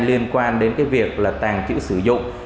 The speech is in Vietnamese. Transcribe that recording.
liên quan đến việc tàn chữ sử dụng